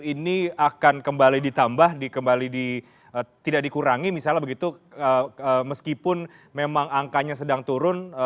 ini akan kembali ditambah tidak dikurangi misalnya begitu meskipun memang angkanya sedang turun